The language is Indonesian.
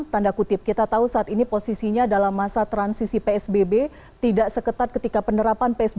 tanda kutip kita tahu saat ini posisinya dalam masa transisi psbb tidak seketat ketika penerapan psbb